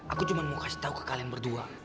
aku cuma mau kasih tahu ke kalian berdua